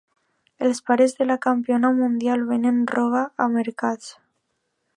Els pares de la campiona mundial venen roba a mercats.